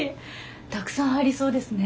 たくさん入りそうですね。